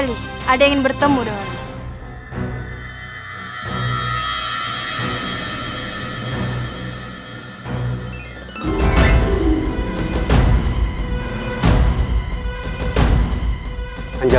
kita akan mencoba untuk mencoba